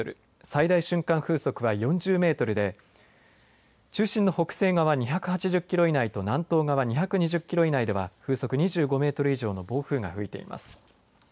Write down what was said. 最大瞬間風速は４０メートルで中心の北西側２８０キロ以内と南東側２２０キロ以内では風速２５メートル以上の暴風が吹いています。